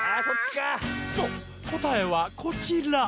そうこたえはこちら。